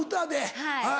はい。